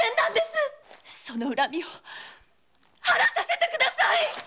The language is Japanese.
その恨みを晴らさせてください！